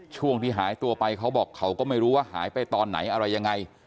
ช่วงที่หายตัวไปเขาบอกเขาก็ไม่รู้ว่าหายไปตอนไหนอะไรยังไง